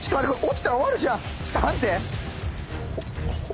ちょっと待って！